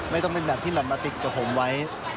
ไม่ต้องเป็นแบบที่แบบมาติดกับผมไว้